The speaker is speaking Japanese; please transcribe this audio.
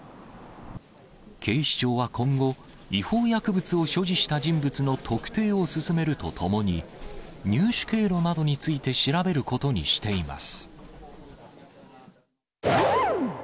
警視庁は今後、違法薬物を所持した人物の特定を進めるとともに、入手経路などについて調べることにしています。